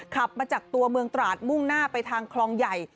ขับมาจากตัวเมืองตราดมุ่งหน้าไปทางคลองใหญ่